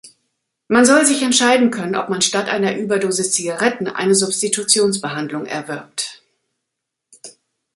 Man soll sich entscheiden können, ob man statt einer Überdosis Zigaretten eine Substitutionsbehandlung erwirbt.